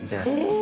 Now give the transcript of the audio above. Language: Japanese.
え！